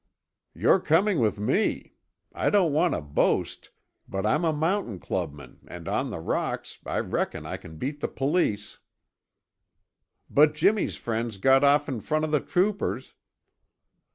"You're coming with me. I don't want to boast, but I'm a mountain clubman and on the rocks I reckon I can beat the police." "But Jimmy's friends got off in front of the troopers."